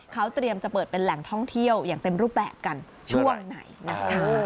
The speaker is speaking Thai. เขาเตรียมจะเปิดเป็นแหล่งท่องเที่ยวอย่างเต็มรูปแบบกันช่วงไหนนะคะ